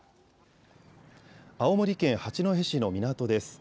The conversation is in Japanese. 青森県八戸市の港です。